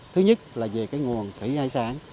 thứ nhất là về nguồn thủy hải sản